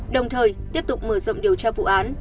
đồng thời tiếp tục mở rộng điều tra vụ án